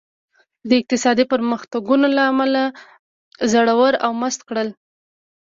د اقتصادي پرمختګونو له امله زړور او مست کړل.